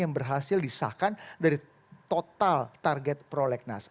yang berhasil disahkan dari total target prolegnas